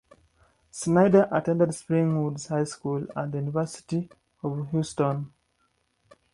Snyder attended Spring Woods High School and the University of Houston.